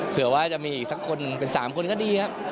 เผื่อว่าจะมีอีกสักคนเป็น๓คนก็ดีครับ